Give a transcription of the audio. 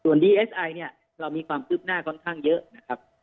ดีเอสไอเนี่ยเรามีความคืบหน้าค่อนข้างเยอะนะครับ